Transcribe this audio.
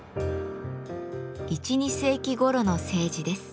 １２世紀ごろの青磁です。